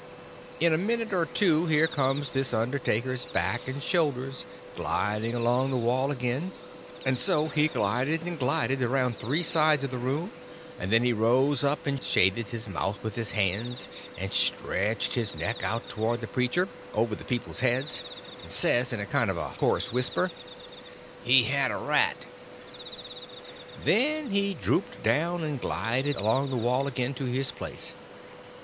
In a minute or two here comes this undertaker's back and shoulders gliding along the wall again; and so he glided and glided around three sides of the room, and then rose up, and shaded his mouth with his hands, and stretched his neck out towards the preacher, over the people's heads, and says, in a kind of a coarse whisper, "He had a rat!" Then he drooped down and glided along the wall again to his place.